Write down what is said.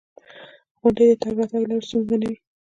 • غونډۍ د تګ راتګ لارې ستونزمنوي.